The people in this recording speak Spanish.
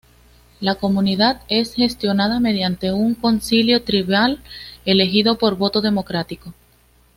La comunidad es gestionada mediante un concilio tribal elegido por voto democrático.